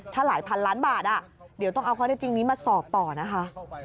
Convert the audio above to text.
ถ้าหลายพันล้านบาทเดี๋ยวต้องเอาข้อได้จริงนี้มาสอบต่อนะคะ